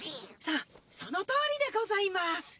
そそのとおりでございます。